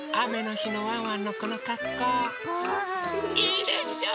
いいでしょう？